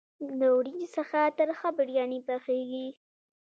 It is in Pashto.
له وریجو څخه ترخه بریاني پخیږي.